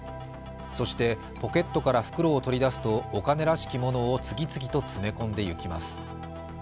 そして、ポケットから袋を取り出すとお金らしきものを次々と詰め込んでいきます。